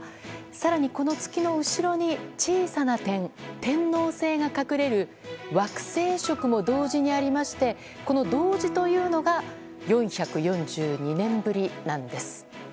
更に、この月の後ろに小さな点、天王星が隠れる惑星食も同時にありましてこの同時というのが４４２年ぶりなんです。